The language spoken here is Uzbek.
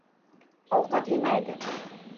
Ovqat emaydi